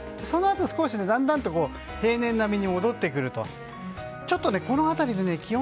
そのあと少し、だんだんと平年並みに戻ってくると。